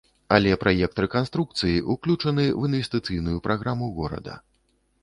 Але праект рэканструкцыі ўключаны ў інвестыцыйную праграму горада.